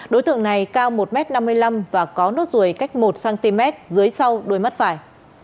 đối tượng này cao một m năm mươi năm và có nốt ruồi cách một cm dưới sau đuôi mắt phải